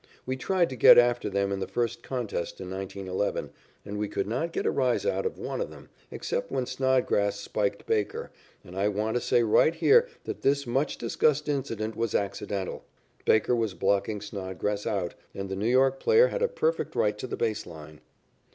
We tried to get after them in the first contest in 1911, and we could not get a rise out of one of them, except when Snodgrass spiked Baker, and I want to say right here that this much discussed incident was accidental. Baker was blocking Snodgrass out, and the New York player had a perfect right to the base line.